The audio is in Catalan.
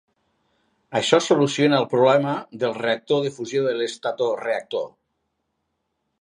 Això soluciona el problema del reactor de fusió de l'estatoreactor.